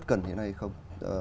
cần hiện nay không